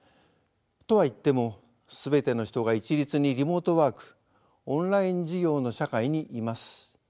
とはいっても全ての人が一律にリモートワークオンライン授業の社会にいます。